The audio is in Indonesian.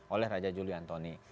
oleh raja juli anthony